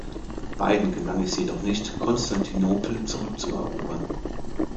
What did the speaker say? Beiden gelang es jedoch nicht, Konstantinopel zurückzuerobern.